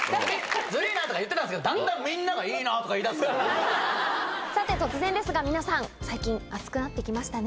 ずるいなとか言ってたんですけど、だんだんみんなが、さて、突然ですが皆さん、最近、暑くなってきましたね。